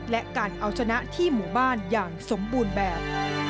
และการเอาชนะที่หมู่บ้านอย่างสมบูรณ์แบบ